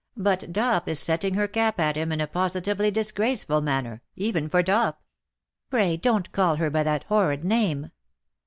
^^ But Dop is setting her cap at him in a positively dis graceful manner ^even for Dop.^' '^ Pray don^t call her by that horrid name.'''